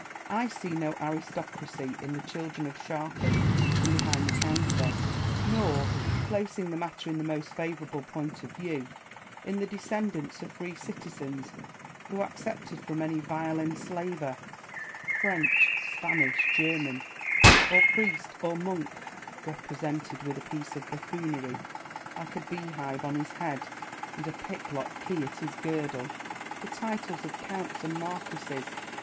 I see no aristocracy in the children of sharpers from behind the counter, nor, placing the matter in the most favourable point of view, in the descendants of free citizens who accepted from any vile enslaver — French, Spanish, German, or priest, or monk (represented with a piece of buffoonery, like a beehive on his head and a pick lock key at his girdle) — the titles of counts aiid marquises.